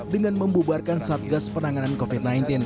dengan membubarkan satgas penanganan covid sembilan belas